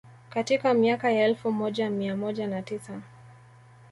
Katika miaka ya elfu moja mia moja na tisa